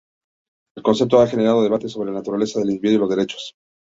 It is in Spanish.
El concepto ha generado debates sobre la naturaleza del individuo y los derechos.